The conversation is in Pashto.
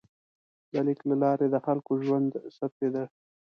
د لیک له لارې د خلکو ژوند ثبتېده.